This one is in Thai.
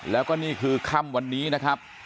แล้วก็นี่คือค่ำวันนี้นะครับ